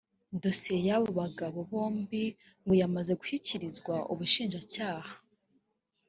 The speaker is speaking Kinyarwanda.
Dosiye y’abo bagabo bombi ngo yamaze gushyikirizwa ubushinjacyaha